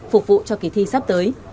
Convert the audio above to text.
phục vụ cho kỳ thi sắp tới